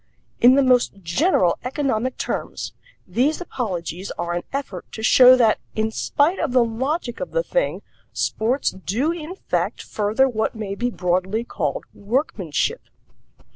In the most general economic terms, these apologies are an effort to show that, in spite of the logic of the thing, sports do in fact further what may broadly be called workmanship.